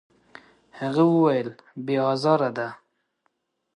هغه وویل: «بې ازاره ده.»